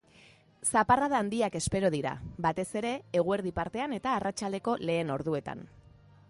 Zaparrada handiak espero dira, batez ere eguerdi partean eta arratsaldeko lehen orduetan.